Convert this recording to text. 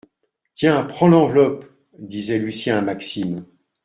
Tiens, prends l’enveloppe, disait Lucien à Maxime